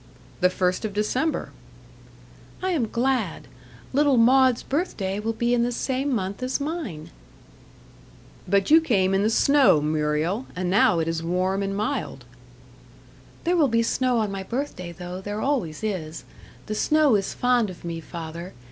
"The first of December." "I am glad. Little Maud's birthday will be in the same month as mine." "But you came in the snow, Muriel, and now it is warm and mild." "There will be snow on my birthday, though. There always is. The snow is fond of me, father.